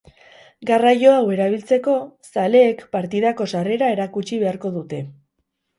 Garraio hau erabiltzeko, zaleek partidako sarrera erakutsi beharko dute.